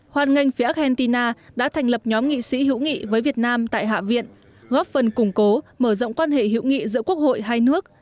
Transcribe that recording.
hoàn ngành phía argentina đã thành lập nhóm nghị sĩ hữu nghị với việt nam tại hạ viện góp phần củng cố mở rộng quan hệ hữu nghị giữa quốc hội hai nước